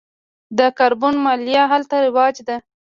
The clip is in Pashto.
د کاربن مالیه هلته رواج ده.